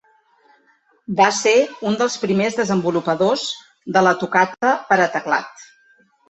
Va ser un dels primers desenvolupadors de la tocata per a teclat.